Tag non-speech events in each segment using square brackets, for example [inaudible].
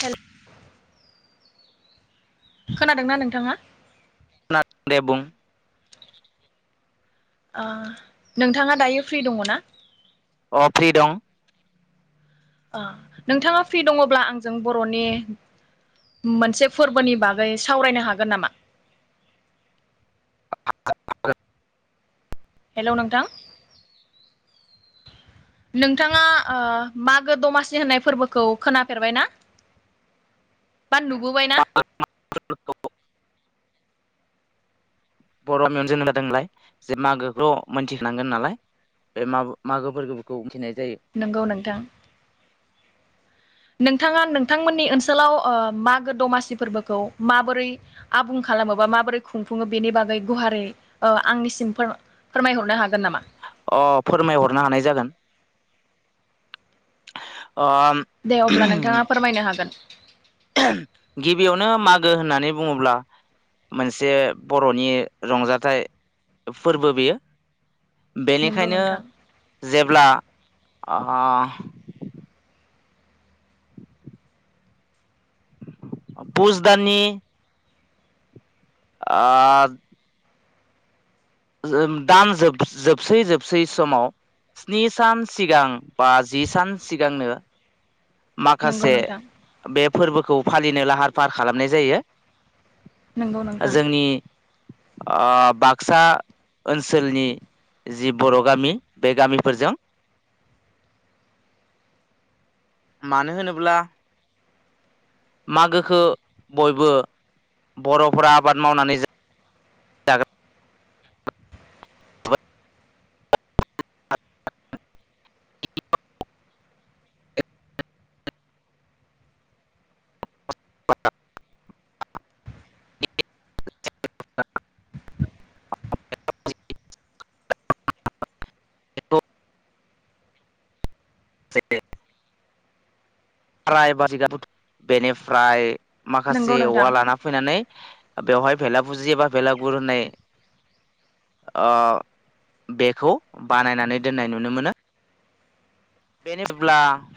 हेल खोनादोंना नोंथाङा? खोनादोंदे बुं ओ नोंथाङा दायो फ्रि दङ' ना? अ फ्रि दं ओ नोंथाङा फ्रि दङब्ला आंजों बर'नि मोनसे फोरबोनि बागै सावरायनो हागोन नामा? [unintelligible] हेलौ नोंथां नोंथाङा ओ मागो दमासि होननाय फोरबोखौ खोनाफेरबायना? बा नुबोबाय ना? बर' गामियावनो जोनो जादों नालाय जे मागोखोथ' मोनथिखानांगोन नालाय बे माबो मागो फोरबोफोरखौ मिनथिनाय नोंगौ नोंथां नोंथाङा नोंथांमोननि ओनसोलाव ओ मागो दमासि फोरबोखौ माबोरै आबुं खालामो बा माबोरै खुंफुङो बेनि बागै गुहारै ओ आंनिसिम फोरम-फोरमायहरनो हागोन नामा? अ फोरमायहरनो हानाय जागोन [inaudible] दे अब्ला नोंथाङा फोरमायनो हागोन गिबियावनो मागो होननानै बुङोब्ला मोनसे बर'नि रंजाथाइ फोरबो बेयो नंगौ बेनिखायनो नोंथां जेब ब्ला आ पुस दाननि आ जोम दान जोब-जोबसै जोबसै समाव स्नि सान सिगां बा जि सान सिगांनो नंगौ माखासे नोंथां बे फोरबोख खौ फालिनो लाहार फाहार खालामनाय जायो। नोंगौ नोंथां आ बाक्सा ओनसोलनि जि बर' गामि बे गामिफोरजों मानो होनोब्ला मागोखौ बयबो बर'फोरा आबाद मावनानै जा [unintelligible] बेथ' [unintelligible] बेनिफ्राय नंगौ माखासे औवा नोंथां लाना फैनानै बेवहाय भेलाबुजि एबा भेलागुर होननाय ओ बेखौ बानायनानै दोननाय नुनो मोनो बेनो जेब्ला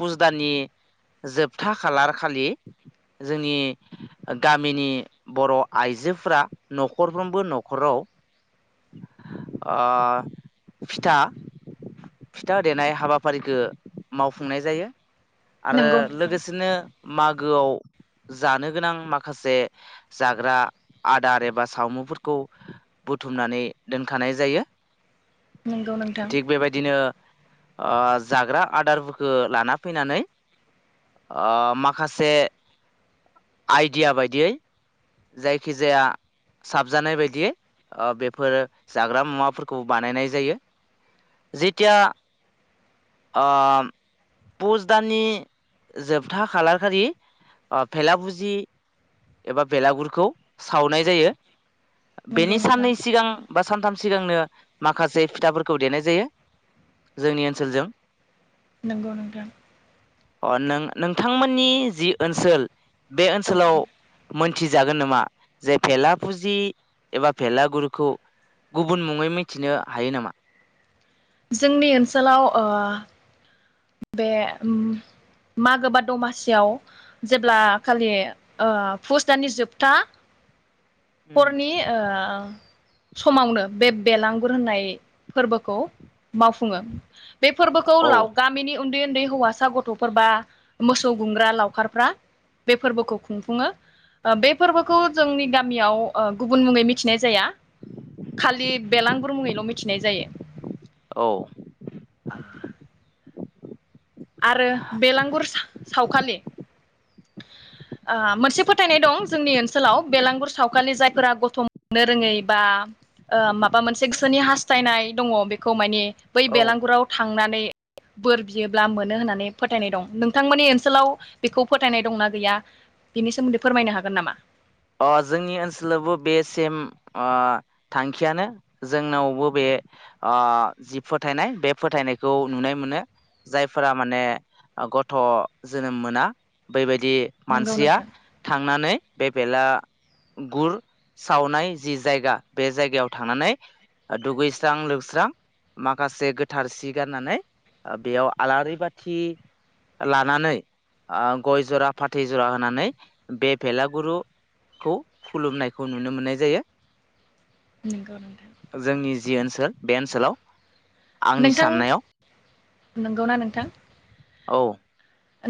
फुजदाननि जोबथा खालार खालि जोंनि गामिनि बर' आइजोफोरा न'खरफ्रोमबो न'खराव ओ फिथा फिथा देनाय हाबाफारिखो मावफुंनाय जायो आरो नंगौ नोंथां लोगोसेनो मागोआव जानो गोनां माखासे जाग्रा आदार एबा सावमुफोरखौ बुथ थुमनानै दोनखानाय जायो। नंगौ नोंथां थिग बेबायदिनो ओ जाग्रा आदारफोरखौ लाना फैनानै ओ माखासे आइडिया बायदियै जायखिजाया साबजानाय बायदियै ओ बेफोर जाग्रा मुवाफोरखौ बानायनाय जायो जेथिया ओ पुस दाननि जोबथा खालार खालि अ भेला भुजि एबा बेलागुरखौ सावनाय जायो। बेनि नंगौ नोंथां साननै सिगां बा सानथाम सिगांनो माखासे फिथाफोरखौ देनाय जायो जोंनि ओनसोलजों। नंगौ नोंथां। अ नों नोंथांमोननि जि ओनसोल बे औ ओनसोलाव मोन थिजागोन नामा जे फेला फुजि एबा फेलागुरखौ गुबुन मुङै मिथिनो हायो नामा? जोंनि ओनसोलाव ओ बे मागो बा दमासियाव जेब्ला खालि ओ फुस दाननि जोबथा उम हरनि ओ समावनो बे बेलांगुर होननाय फोरबोखौ मावफुङो बे फोरबोखौ औ लाव गामिनि उन्दै उन्दै हौवासा गथ'फोर बा मोसौ गुमग्रा लावखारफ्रा बे फोरबोखौ खुंफुङो बे फोरबोखौ जोंनि गामियाव ओ गुबुन मुङै मिथिनाय जाया खालि बेलांगुर मुङैल' मिथिनाय जायो। औ आरो बेलांगुर सा सावखालि ओ मोनसे फोथायनाय दं जोंनि ओनसोलाव बेलांगुर सावखालि जायफोरा गथ' मोननो रोङै बा ओ माबा मोनसे गोसोनि हास्थायनाय दङ बेखौ माने बै औ बेलांगुराव थांनानै बोर बियो ब्ला मोनो होननानै फोथायनाय दं नोंथांमोननि ओनसोलाव बेखौ फोथायनाय दंना गैया बेनि सोमोन्दै फोरमायनो हागोन नामा? अ जोंनि ओनसोलावबो बे सेम ओ थांखियानो जोंनावबो बे अ जि फोथायनाय बे फोथायनायखौ नुनाय मोनो जायफोरा माने गथ' जोनोम मोना बेबाय दि नंगौ मानसिया नोंथां थांनानै बे बेलागुर सावनाय जि जायगा बे जायगायाव थांनानै दुगैस्रां लोबस्रां माखासे गोथार सि गानानै बेयाव आलारि बाथि लानानै आ गय जरा फाथै जरा होनानै बे बेेलागुरु खौ खुलुमनायखौ नुनो मोननाय जायो नंगौ नोंथां। जोंनि जि ओनसोल बे ओनसोलाव आंनि नोंथां साननायाव नंगौना नोंथां? औ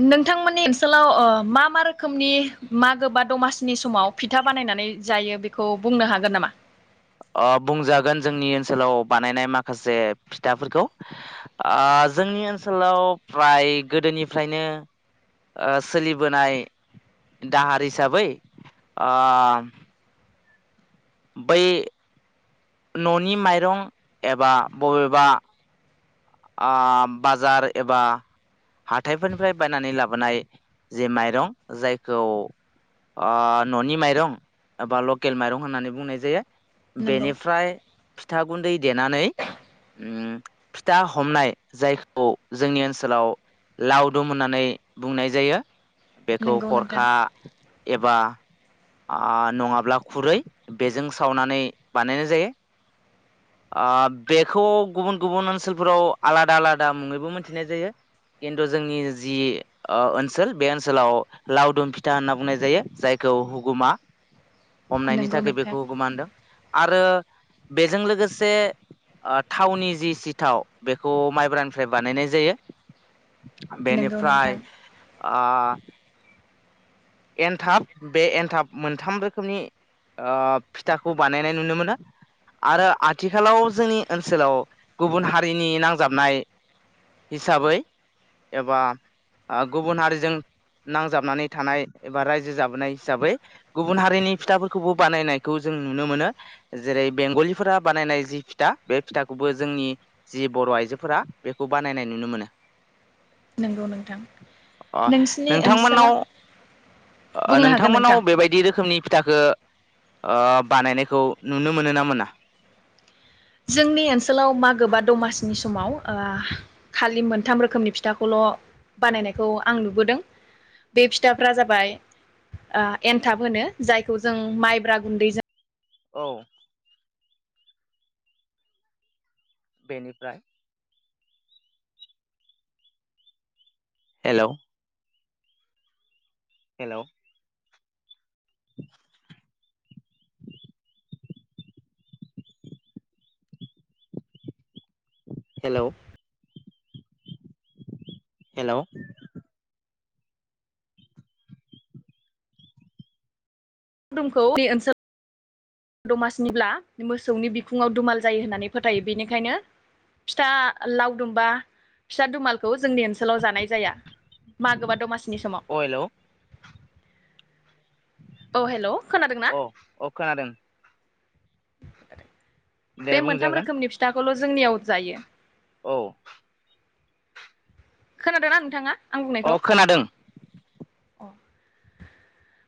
नोंथांमोननि ओनसोलाव ओ मा मा रोखोमनि मागो बा दमासिनि समाव फिथा बानायनानै जायो बेखौ बुंनो हागोन नामा? ओ बुंजागोन जोंनि ओनसोलाव बानायनाय माखासे फिथाफोरखौ अ जोंनि ओनसोलाव फ्राय गोदोनिफ्रायनो ओ सोलिबोनाय दाहार हिसाबै अ बै न'नि माइरं एबा बबेबा अ बाजार एबा हाथायफोरनिफ्राय बायनानै लाबोनाय जे माइरं जायखौ अ न'नि माइरं एबा लकेल माइरं होननानै बुंनाय जायो। नंगौ बेनिफ्राय फिथा गुन्दै देनानै उम फि ता हमनाय जायखौ जोंनि ओनसोलाव लावदुम होननानै बुंनाय जायो। बेखौ नंगौ नोंथां खरखा एबा अ नङाब्ला खुरै बेजों सावनानै बानायनाय जायो ओ बेखौ गुबुन गुबुन ओनसोल फोराव आलादा आलादा मुङैबो मोनथिनाय जायो खिन्थु जोंनि जि ओ ओनसोल बे ओनसोलाव लावदुम फिथा होनना बुंनाय जायो जायखौ हुगुमा हमनायनि नंगौ थाखाय नोंथां बेखौ गोमानदों आरो बेजों लोगोसे ओ थावनि जि सिथाव बेखौ माइब्रानिफ्राय बानायनाय जायो नंगौ बेनिफ्राय नोंथां ओ एनथाब बे एनथाब मोनथाम रोखोमनि ओ फिथाखौ बानायनाय नुनो मोनो आरो आथिखालाव जोंनि ओनसोलाव गुबुन हारिनि नांजाबनाय हिसाबै एबा गुबुन हारिजों नांजाबनानै थानाय एबा रायजो जाबोनाय हिसाबै गुबुन हारिनि फिथाफोरखौबो बानायनायखौ जों नुनो मोनो जेरै बेंगलिफोरा बानायनाय जि फिथा बे फिथाखौबो जोंनि जि बर' आइजोफोरा बेखौ बानायनाय नुनो मोनो। नोंगौ नोंथां नोंसिनि ओनसोला बुंनो हागोन नोंथांमोनाव नोंथां बेबायदि रोखोमनि फिथाखो ओ बानायनायखौ नुनो मोनो ना मोना जोंनि ओनसोलाव मागो बा दमासिनि समाव ओ खालि मोनथाम रोखोमनि फिथाखौल' बानायनायखौ आं नुबोदों बे फिथाफ्रा जाबाय ओ एन्थाब होनो जायखौ जों माइब्रा गुन्दैजों औ बेनिफ्राय हेलौ हेलौ हेलौ हेलौ लावदुमखौ ओनसोल दमासिनिब्ला मोसौनि बिखुङाव दुमाल जायो होननानै फोथायो बेनिखायनो फिथा लावदुम बा फिथा दुमालखौ जोंनि ओनसो ओनसोलाव जानाय जाया मागोबा दमासिनि अ हेलौ समाव औ हेलौ खोनादोंना अ अ खोनादों दे बे मोनथाम बुंजागोन रोखोमनि फिथाखौ खौल' जोंनियाव जायो औ खोनादो ना नोंथाङा आं अ बुंनायखौ खोनादों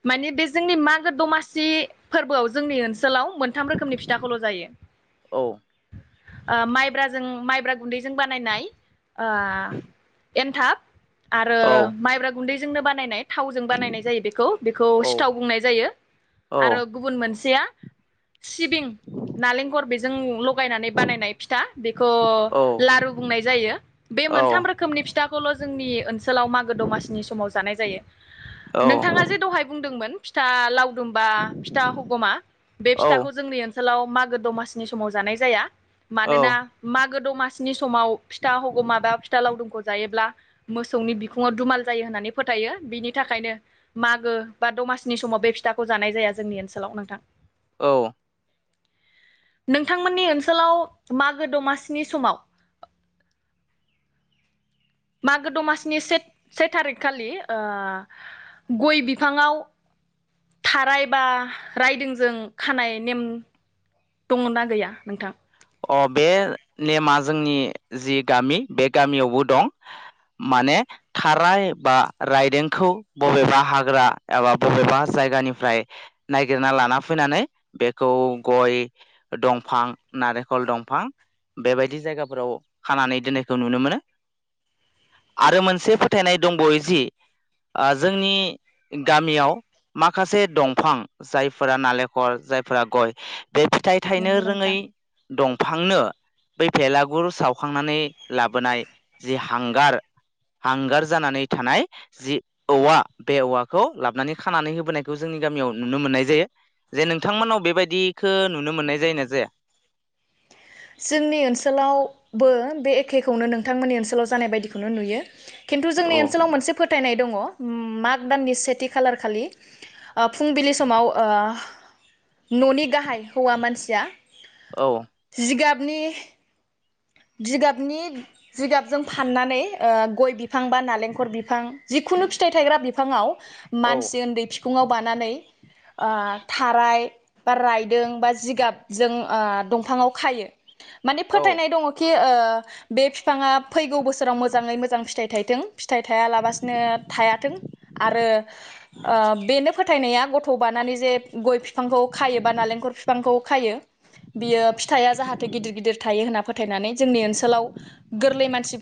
मानिबे जोंनि मागो दमासि फोरबोआव जोंनि ओनसोलाव मोन थाम रोखोमनि फिथाखौल' जायो औ ओ माइब्राजों माइब्रा गुन्दैजों बानायनाय ओ एन्थाब आरो औ माइब्रा गुन्दै जोंनो बानायनाय थावजों बानायनाय जायो बेखौ बेखौ औ सिथाव बुंनाय जायो औ आरो गुबुन मोनसेया सिबिं नालेंखर जों लख लगायनानै बानायनाय फिथा बेखौ औ लारु बुंनाय जायो बे मोनथाम औ रोखोमनि फिथ खौल' जोंनि ओन सोलाव मागो दमासिनि समाव जानाय जायो नोंथाङा जे दहाय बुंदोंमोन। फिथा लाव दुमबा फिथा हगमा बे औ फिथाखौ जोंनि ओनसोलाव मागो दमासिनि समाव जानाय जाया मानोना औ मागो दमा सिनि स समाव फिथा हगौमा बा फिथा लावदुमखौ जायोब्ला मोसौनि बिखुङाव दुमाल जायो होननानै फोथायो बिनि थाखायनो मागो बा दमासिनि समाव बे फिथाखौ जानाय जाया जोंनि ओनसोलाव नोंथां। औ। नोंथांमोननि ओनसोलाव मागो दमासिनि समाव मागो दमासिनि से से थारिखखालि ओ गय बिफाङाव थाराय बा रायदोंजों खानाय नेम दङ ना गैया नोंथां? अ बे नेमा जोंनि जि गामि बे गामियावबो दं माने थाराय बा रायदोंखौ बबेबा हाग्रा एबा बबेबा जायगानिफ्राय नागिरना लाना फैनानै बेखौ गय दंफां नारेंखल दंफां बेबायदि जायगाफोराव खानानै दोननायखौ नुनो मोनो आरो मोनसे फोथायनाय दंबयोजि जोंनि गामियाव माखासे दंफां जायफोरा नालेंखल जायफोरा गय बे फिथाइ थायनो नंगौ रोङै नोंथां दंफांनो बै फेलागुर सावखांनानै लाबोनाय जि हांगार हांगार जानानै थानाय जि औवा बे औवाखौ लाबोनानै खानानै होबोनायखौ जोंनि गामियाव नुनो मोननाय जायो जे नोंथांमोनाव बेबायदिखो नुनो मोननाय जायोना? जोंनि ओनसोलावबो बे एखेखौनो नोंथांमोननि ओनसोलाव जानाय बायदिखौनो नुयो। खिन्थु जोंनि औ ओनसोलाव मोनसे फोथायनाय दङ मा माग दाननि सेथि खालार खालि फुंबिलि समाव ओ न'नि गाहाइ हौवा मानसिया औ जिगाबनि जिगाबनि जिगाबजों फाननानै ओ गय बि बिफां बा नालेंखर बिफां जिखुनु फिथाइ थायग्रा बिफाङाव मानसि उन्दै बिखुङाव बानानै ओ थाराय बा रायदों बा जिगाबजों ओ दंफाङाव खायो। माने औ फोथायनाय दङ बे ओ बिफाङा फैगौ बोसोर सोराव मोजाङै मोजां फिथाइ फिथाइ थायथों फिथाइ थायालाबासिनो थायाथों आरो ओ बेनो फोथायनाया गथ' बानानै जे गय बिफांखौ खायो बा नालेंखर बिफांखौ खायो बियो फिथाइया जाहाथे गिदिर गिदिर थायो होनना फोथा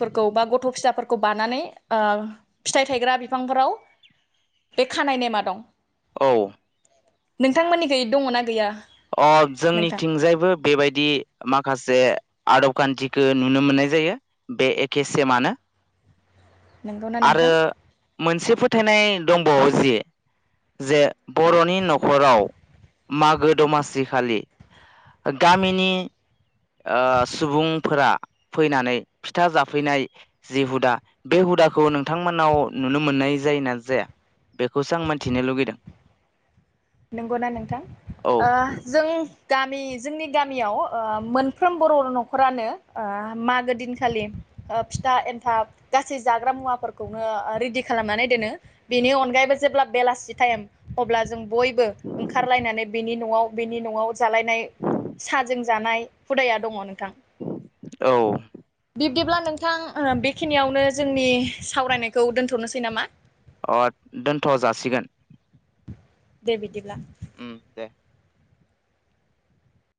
फोरखौ बा गथ' फिसाफोरखौ बानानै फिथाइ थायग्रा बिफांफोराव बे खानाय नेमा दं‌। औ। नोंथांमोननिखै दङना गैया? अ नोंथां जोंनिथिंजायबो बेबायदि मा माखासे आदब खान्थिखौ नुनो मोननाय जायो बे एके सेमानो। नंगौना आरो नोंथां? मोनसे फोथायनाय दंबावो जि जे बर'नि न'खराव मागो दमासि खालि गामिनि ओ सुबुंफोरा फैनानै फिथा जाफैनाय जि हुदा बे हुदाखौ खौ नोंथांमोनाव नुनो मोननाय जायोना जाया बेखौसो आं मिथिनो लुगैदों। नंगौना नोंथां औ ओं जों गामि जोंनि गामियाव ओ मोनफ्रोम बर' न'खरानो ओ मागो दिनखालि फिथा एन्थाब गासै जाग्रा मुवाफोरखौनो रेडि खालामनानै दोनो बेनि अनगायैबो जेब्ला बेलासि टाइम अब्ला जों बयबो ओंखारलायनानै बेनि न'आव बेनि न'आव जालायनाय साहाजों जानाय हुदाया दङ नोंथां। औ बिब्दिब्ला नोंथां बेखिनियावनो जोंनि सावरायनायखौ दोन्थ'नोसै नामा। अ दोनथ' जासिगोन। दे बिदिब्ला। उम दे।